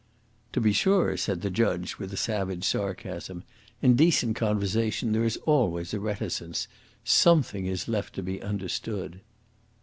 "To be sure," said the judge, with a savage sarcasm. "In decent conversation there is always a reticence. Something is left to be understood."